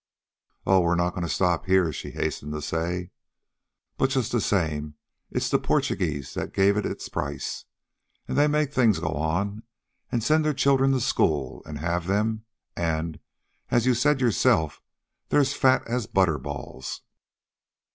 "Oh, we're not going to stop here," she hastened to say. "But just the same it's the Portuguese that gave it its price, and they make things go on it send their children to school... and have them; and, as you said yourself, they're as fat as butterballs."